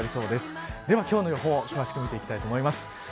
では今日の予報詳しく見ていきたいと思います。